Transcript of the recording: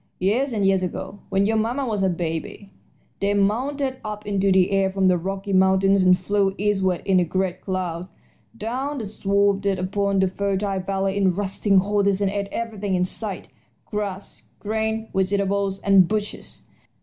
Years and years ago, when your mamma was a baby, they mounted up into the air from the Rocky Mountains and flew eastward in a great cloud. Down they swooped upon the fertile valleys in rustling hordes, and ate everything in sight grass, grains, vegetables, and bushes.